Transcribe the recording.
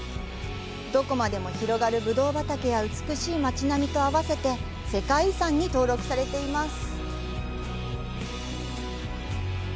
どこまでも広がるブドウ畑や美しい街並みと合わせて世界遺産に登録されています。